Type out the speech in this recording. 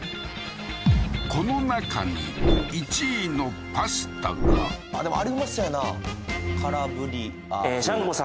この中に１位のパスタがでもあれうまそうやな